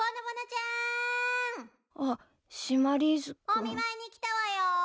・お見舞いに来たわよ。